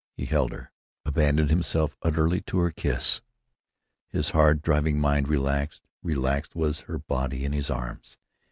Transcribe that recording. He held her, abandoned himself utterly to her kiss. His hard driving mind relaxed; relaxed was her body in his arms.